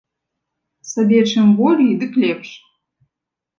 Сабе чым болей, дык лепш.